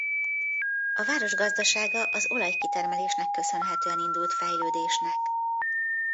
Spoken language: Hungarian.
A város gazdasága az olajkitermelésnek köszönhetően indult fejlődésnek.